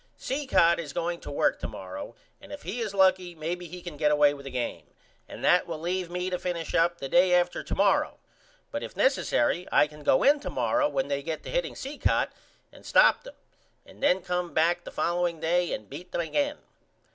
Cicotte is going to work to morrow and if he is lucky maybe he can get away with the game and that will leave me to finish up the day after to morrow but if nessary I can go in to morrow when they get to hitting Cicotte and stop them and then come back the following day and beat them again.